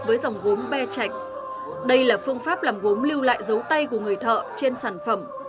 với dòng gốm be chạch đây là phương pháp làm gốm lưu lại dấu tay của người thợ trên sản phẩm